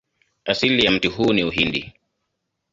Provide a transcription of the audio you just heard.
Asili ya mti huu ni Uhindi.